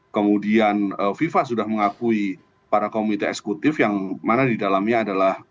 kemudian fifa sudah mengakui para komite eksekutif yang mana di dalamnya adalah